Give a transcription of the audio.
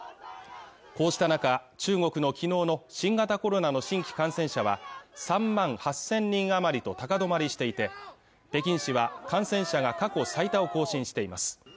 こうした中中国の昨日の新型コロナの新規感染者は３万８０００人余りと高止まりしていて北京市は感染者が過去最多を更新しています